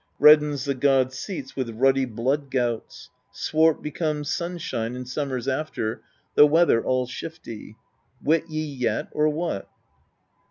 Reddens the gods' seats with ruddy blood gouts; Swart becomes sunshine in summers after. The weather all shifty. Wit ye yet, or what?"